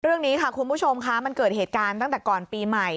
เรื่องนี้ค่ะคุณผู้ชมค่ะมันเกิดเหตุการณ์ตั้งแต่ก่อนปีใหม่